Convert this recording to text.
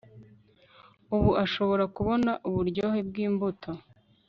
ubu ashobora kubona uburyohe bwimbuto